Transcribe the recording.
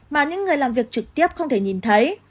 mà những người làm việc trực tiếp không thể nhìn thấy